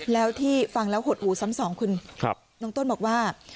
แล้วที่ฟังแล้วหดหูซ้ำสองคุณน้องต้นบอกว่า